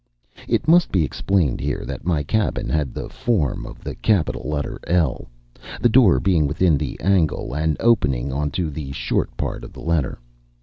It must be explained here that my cabin had the form of the capital letter L, the door being within the angle and opening into the short part of the letter.